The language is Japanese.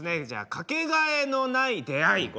じゃあ「掛けがえのない出会い」